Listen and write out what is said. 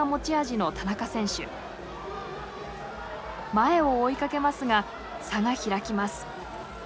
前を追いかけますが差が開きます。